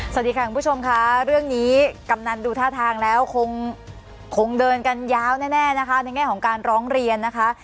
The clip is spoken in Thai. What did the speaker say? สวัสดีค่ะคุณผู้ชมค่ะเรื่องนี้กำนันดูท่าทางแล้วคงเดินกันยาวแน่นะคะในแง่ของการร้องเรียนนะคะ